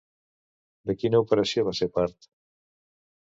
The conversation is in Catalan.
De quina operació va ser part?